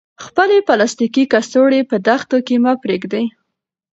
خپلې پلاستیکي کڅوړې په دښتو کې مه پریږدئ.